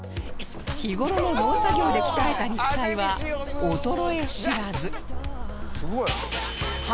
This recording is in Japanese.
日頃の農作業で鍛えた肉体は衰え知らず